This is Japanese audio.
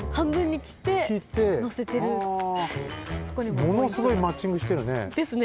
ものすごいマッチングしてるね。ですね。